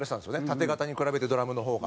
タテ型に比べてドラムの方が。